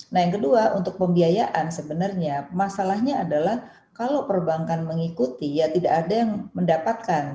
nah yang kedua untuk pembiayaan sebenarnya masalahnya adalah kalau perbankan mengikuti ya tidak ada yang mendapatkan